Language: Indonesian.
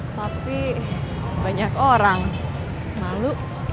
tapi banyak orang malu